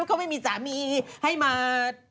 ก็ไม่มีสามีให้มา